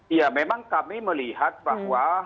iya memang kami melihat bahwa